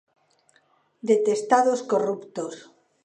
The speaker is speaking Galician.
Detestados corruptos.